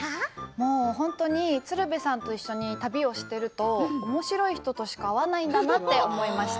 もう本当に鶴瓶さんと一緒に旅をしているとおもしろい人としか会わないんだなと思いました。